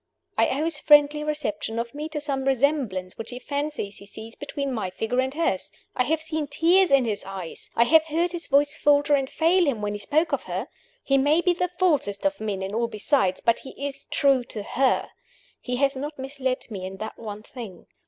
I owe his friendly reception of me to some resemblance which he fancies he sees between my figure and hers. I have seen tears in his eyes, I have heard his voice falter and fail him, when he spoke of her. He may be the falsest of men in all besides, but he is true to her he has not misled me in that one thing.